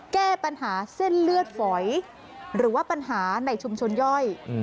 แก้ปัญหาเส้นเลือดฝอยหรือว่าปัญหาในชุมชนย่อย